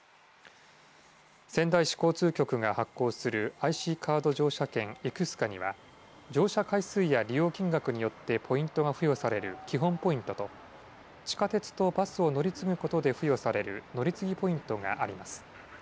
仙台市交通局が発行するＩＣカード乗車券ｉｃｓｃａには乗車回数や利用金額によってポイントが付与される基本ポイントと地下鉄とバスを乗り継ぐことで付与される乗り継ぎポイントがあります。